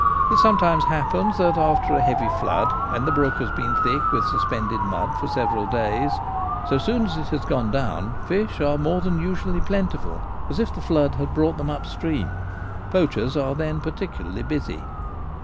It sometimes happens that after a heavy flood, when the brook has been thick with suspended mud for several days, so soon as it has gone down fish are more than usually plentiful, as if the flood had brought them up stream : poachers are then particularly busy.